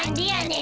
ん。